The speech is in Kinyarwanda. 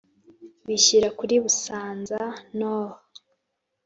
bishyira kuri busanza-nord